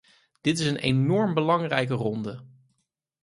Dit is een enorm belangrijke ronde.